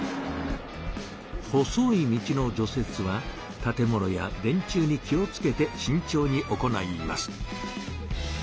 細い道の除雪は建物や電柱に気をつけてしんちょうに行います。